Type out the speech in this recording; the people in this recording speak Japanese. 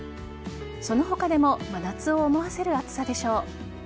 その他でも真夏を思わせる暑さでしょう。